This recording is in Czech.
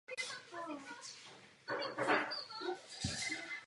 Úřední ověření se ale ani jemu nezdařilo získat.